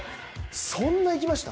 そんないきました？